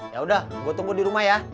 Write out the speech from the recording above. yaudah gue tunggu di rumah ya